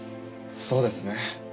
そうですね。